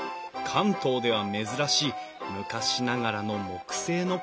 関東では珍しい昔ながらの木製の冠水橋。